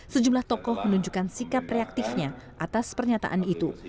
sejumlah tokoh menunjukkan sikap reaktifnya atas pernyataan itu